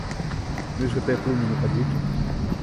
Мы ж гэтыя плыні не падлічым.